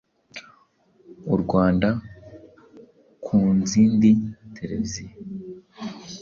u Rwanda no kunzindi televiziyo.